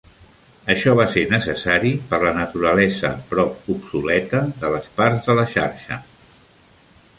Això va ser necessari per la naturalesa prop obsoleta de les parts de la xarxa.